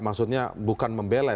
maksudnya bukan membelai